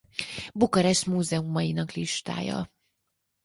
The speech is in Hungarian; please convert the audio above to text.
Bukarest múzeumainak listája